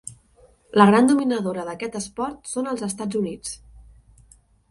La gran dominadora d'aquest esport són els Estats Units.